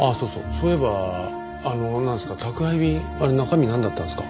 そういえばなんですか宅配便あれ中身なんだったんですか？